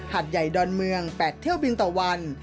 ดใหญ่ดอนเมือง๘เที่ยวบินต่อวัน